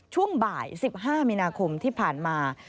ช่วงบ่าย๑๕มีนาคมที่ผ่านมา